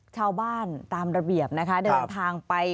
ชาวบ้านตามระเบียบนะคะเดินทางไป